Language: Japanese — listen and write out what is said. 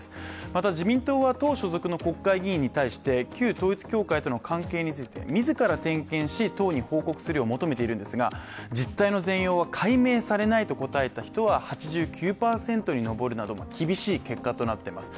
また自民党が、党所属の国会議員に対して旧統一教会との関係について自ら点検し党に報告するよう求めているんですが実態の全容は解明されないと答えた人は８９人に上るなど、厳しい結果となっています。